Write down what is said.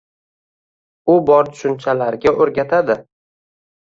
U bor tushunchalarga o‘rgatadi.